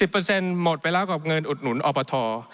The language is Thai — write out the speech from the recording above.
๑๐เปอร์เซ็นต์หมดไปแล้วกับเงินอุดหนุนออปท